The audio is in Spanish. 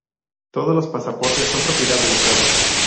Todos los pasaportes son propiedad del Estado.